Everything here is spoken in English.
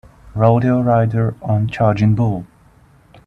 Rodeo rider on charging bull.